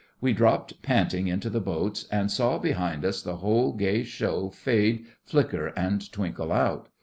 We dropped panting into the boats, and saw behind us the whole gay show fade, flicker, and twinkle out.